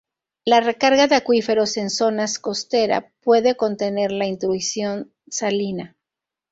La recarga de acuíferos en zonas costera puede contener la intrusión salina.